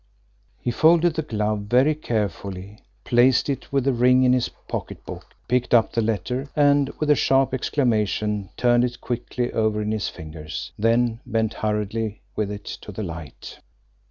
He folded the glove very carefully, placed it with the ring in his pocketbook, picked up the letter and, with a sharp exclamation, turned it quickly over in his fingers, then bent hurriedly with it to the light.